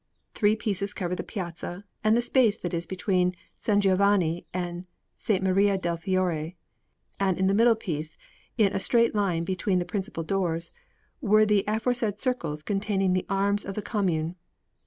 Three pieces covered the piazza and the space that is between S. Giovanni and S. Maria del Fiore; and in the middle piece, in a straight line between the principal doors, were the aforesaid circles containing the arms of the Commune.